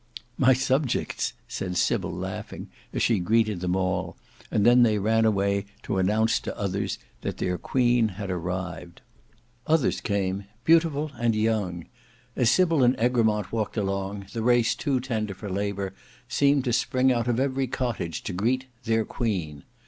"My subjects," said Sybil laughing, as she greeted them all; and then they ran away to announce to others that their queen had arrived. Others came: beautiful and young. As Sybil and Egremont walked along, the race too tender for labour, seemed to spring out of every cottage to greet "their queen."